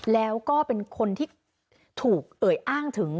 แล้วก็เป็นคนที่ถูกเอ่ยอ้างถึง